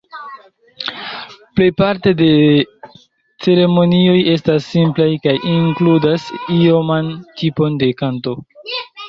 Plej parto de ceremonioj estas simplaj kaj inkludas ioman tipon de kanto.